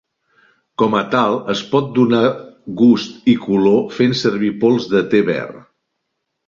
Com a tal, es pot donar gust i color fent servir pols de te verd.